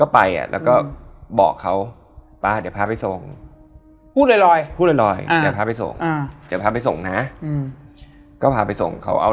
พวกเรานั่งคุยอยู่อย่างนี้นะ